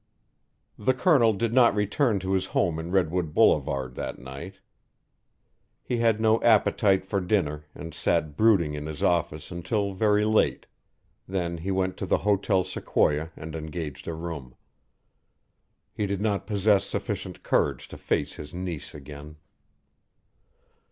The Colonel did not return to his home in Redwood Boulevard that night. He had no appetite for dinner and sat brooding in his office until very late; then he went to the Hotel Sequoia and engaged a room. He did not possess sufficient courage to face his niece again.